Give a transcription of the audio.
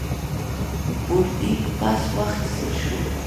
بوردینګ پاس واخیستل شو.